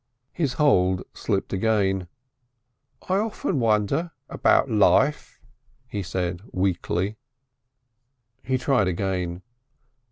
His hold slipped again. "I often wonder about life," he said weakly. He tried again.